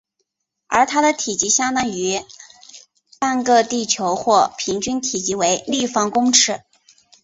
而它的体积相当于个地球或平均体积为立方公尺。